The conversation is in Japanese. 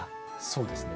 そうですね。